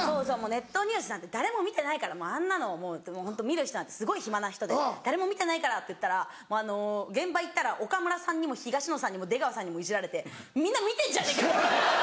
ネットニュースなんて誰も見てないからあんなのホント見る人なんてすごい暇な人で誰も見てないからっていったら現場行ったら岡村さんにも東野さんにも出川さんにもいじられてみんな見てんじゃねえかよ！